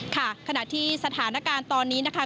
ขณะที่สถานการณ์ตอนนี้นะคะ